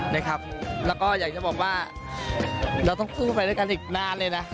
แล้วก็อยากจะบอกว่าเราต้องสู้ไปด้วยกันอีกนานเลยนะ